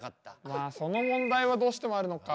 まあその問題はどうしてもあるのか。